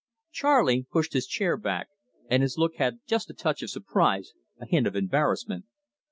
Charley pushed his chair back, and his look had just a touch of surprise, a hint of embarrassment.